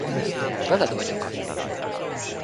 Veled vagyok.